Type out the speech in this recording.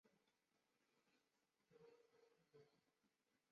芦莉草属又名双翅爵床属是爵床科下的一个属。